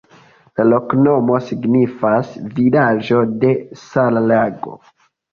La loknomo signifas: vilaĝo de-sala-lago.